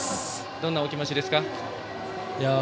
どんなお気持ちですか。